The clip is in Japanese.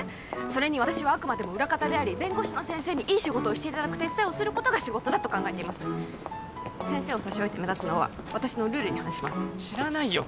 それに私はあくまでも裏方であり弁護士の先生にいい仕事をしていただく手伝いをすることが仕事だと考えています先生を差し置いて目立つのは私のルールに反します知らないよ